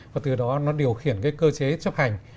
và từ đó nó điều khiển cái cơ chế chấp hành